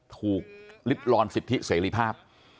ถูกริดรอนสิทธิเสรีภาพ